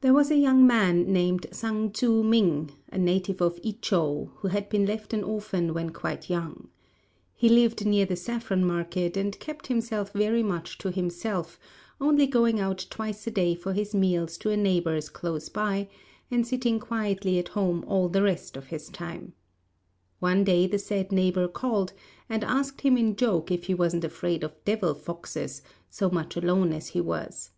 There was a young man named Sang Tzŭ ming, a native of I chou, who had been left an orphan when quite young. He lived near the Saffron market, and kept himself very much to himself, only going out twice a day for his meals to a neighbour's close by, and sitting quietly at home all the rest of his time. One day the said neighbour called, and asked him in joke if he wasn't afraid of devil foxes, so much alone as he was.